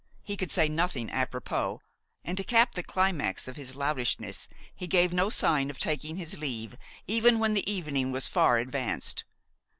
He could say nothing apropos, and, to cap the climax of his loutishness, he gave no sign of taking his leave even when the evening was far advanced.